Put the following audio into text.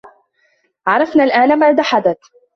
عرفنا الآن ما حدث.